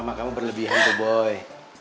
makamu berlebihan tuh boy